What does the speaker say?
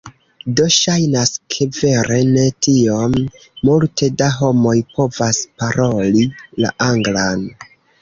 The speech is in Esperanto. Do ŝajnas ke, vere ne tiom multe da homoj povas paroli la Anglan.